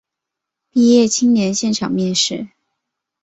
毕业青年现场面试